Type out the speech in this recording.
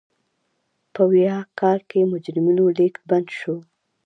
په ویاه کال کې مجرمینو لېږد بند شو.